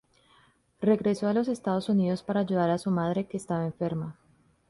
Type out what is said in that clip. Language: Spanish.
Regresó a los Estados Unidos para ayudar a su madre, que estaba enferma.